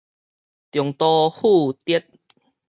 重蹈覆轍